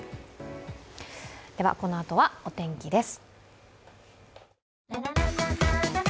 このあとはお天気です。